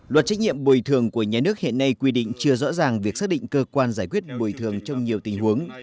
luật trách nhiệm bồi thường của nhà nước hiện nay quy định chưa rõ ràng việc xác định cơ quan giải quyết bồi thường trong nhiều tình huống